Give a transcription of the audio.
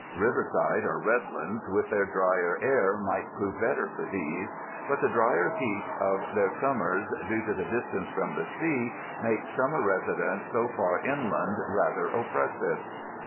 River side or Redlands with their drier air might prove better for these, but the drier heat of their sum mers due to the distance from the sea, make summer residence so far inland rather oppressive.